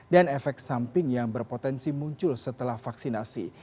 dan efek samping yang berpotensi muncul setelah vaksinasi